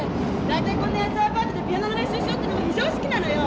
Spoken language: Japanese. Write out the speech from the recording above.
大体こんな安アパートでピアノの練習しようってのが非常識なのよ！